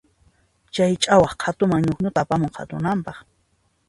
Chay ch'awaq qhatuman ñukñuta apamun qhatunanpaq.